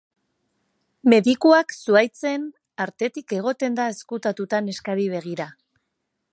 Medikuak zuhaitzen artetik egoten da ezkutatuta neskari begira.